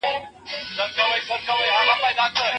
موږ باید د عصري علومو په زده کړه کي هڅه وکړو.